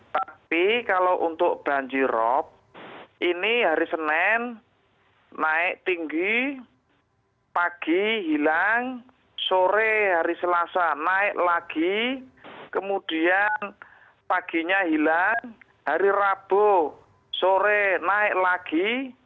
tapi kalau untuk banjirop ini hari senin naik tinggi pagi hilang sore hari selasa naik lagi kemudian paginya hilang hari rabu sore naik lagi